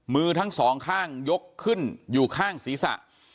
มือทั้งสองข้างยกขึ้นอยู่ข้างศีรษะ